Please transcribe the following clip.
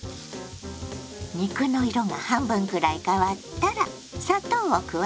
肉の色が半分くらい変わったら砂糖を加えます。